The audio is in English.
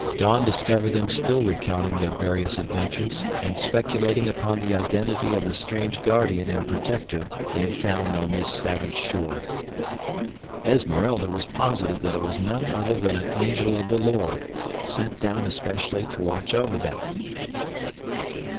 Dawn discovered them still recounting their various adventures and speculating upon the identity of the strange guardian and protector they had found on this savage shore. Esmeralda was positive that it was none other than an angel of the Lord, sent down especially to watch over them.